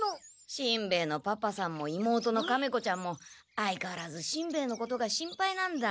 しんべヱのパパさんも妹のカメ子ちゃんも相かわらずしんべヱのことが心配なんだ。